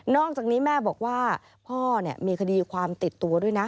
อกจากนี้แม่บอกว่าพ่อมีคดีความติดตัวด้วยนะ